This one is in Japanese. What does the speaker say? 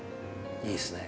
いいっすね。